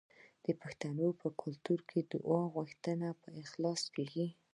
د پښتنو په کلتور کې د دعا غوښتل په اخلاص کیږي.